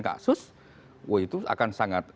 kasus wah itu akan sangat